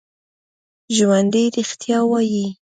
ژوندي رښتیا وايي